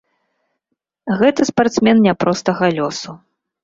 Гэта спартсмен няпростага лёсу.